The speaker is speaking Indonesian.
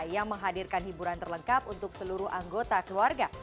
yang menghadirkan hiburan terlengkap untuk seluruh anggota keluarga